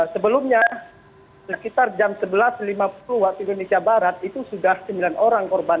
sebelumnya sekitar jam sebelas lima puluh waktu indonesia barat itu sudah sembilan orang korban